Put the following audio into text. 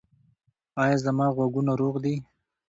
ایا زما غوږونه روغ دي؟